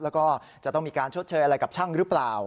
แล้วก็จะต้องมีการชดเชยอะไรกับช่างหรือเปล่า